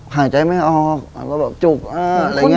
หายใจไม่ออกก็แบบจุกอะไรอย่างนี้